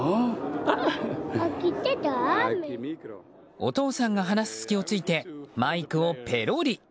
お父さんが話す隙を突いてマイクをぺろり！